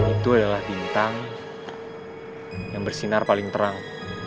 itu adalah bintang yang bersinar paling terang